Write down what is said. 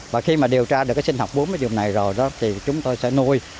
và khi mà điều tra được sinh học búm ở dùng này rồi thì chúng tôi sẽ nuôi